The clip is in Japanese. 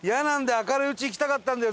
明るいうち行きたかったんだよ